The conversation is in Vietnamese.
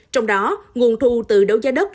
trong đó nguồn thu từ đấu giá đất